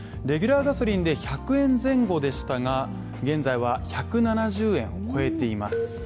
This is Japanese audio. レギュラーガソリンで１００円前後でしたが現在は１７０円を超えています。